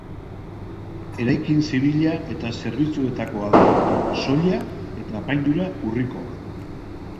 Eraikin zibila eta zerbitzuetakoa da, soila eta apaindura urrikoa.